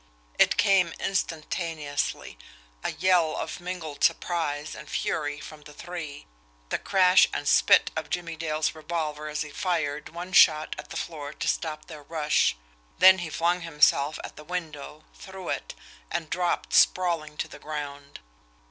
It came instantaneously a yell of mingled surprise and fury from the three the crash and spit of Jimmie Dale's revolver as he fired one shot at the floor to stop their rush then he flung himself at the window, through it, and dropped sprawling to the ground.